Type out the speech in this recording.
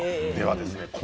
ではですね